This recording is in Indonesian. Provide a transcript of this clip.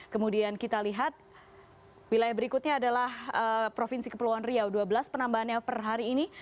kemudian kita lihat wilayah berikutnya adalah provinsi kepulauan riau dua belas penambahannya per hari ini